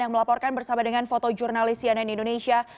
yang melaporkan bersama dengan foto jurnalis sianen indonesia